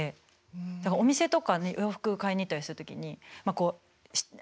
だからお店とかに洋服買いに行ったりする時にこう選ぶじゃないですか。